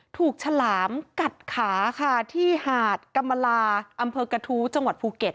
ฉลามกัดขาค่ะที่หาดกรรมลาอำเภอกระทู้จังหวัดภูเก็ต